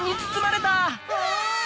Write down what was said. うわ！